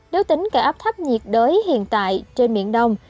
nếu tính cả áp thấp nhiệt đới hiện tại trên miền đông